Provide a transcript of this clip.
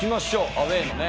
アウェーのね